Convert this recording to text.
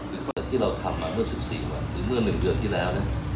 หรือว่าที่เราทำมาเมื่อ๑๔วันหรือเมื่อ๑เดือนที่แล้ว